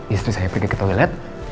istri saya pergi ke toilet